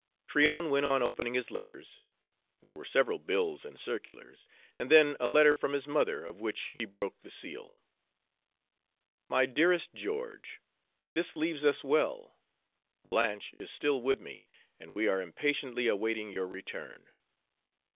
Tryon went on opening his letters. There were several bills and circulars, and then a letter from his mother, of which he broke the seal: MY DEAREST GEORGE, This leaves us well. Blanche is still with me, and we are impatiently awaiting your return.